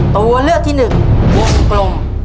ตัวเลือกที่หนึ่งวงกลม